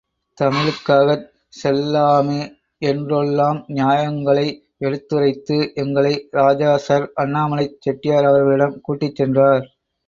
தமிழுக்காகச் செல்ல்லாமே என்றொல்லாம் நியாயங்களை எடுத்துரைத்து, எங்களை ராஜாசர் அண்ணாமலை செட்டியார் அவர்களிடம் கூட்டிச் சென்றார்.